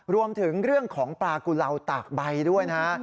รวมถึงเรื่องของปลากุเลาตากใบด้วยนะฮะ